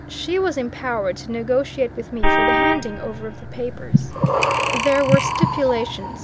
She was empowered to negotiate with me for the handing over of the papers. There were stipulations.